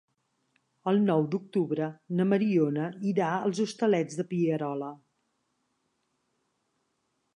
El nou d'octubre na Mariona irà als Hostalets de Pierola.